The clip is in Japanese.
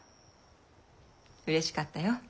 うれしかったよ。